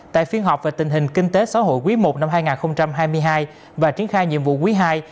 tại phiên họp về tình hình kinh tế xã hội quý i năm hai nghìn hai mươi hai và triển khai nhiệm vụ quý ii